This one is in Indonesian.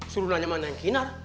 suruh nanya sama neng kinar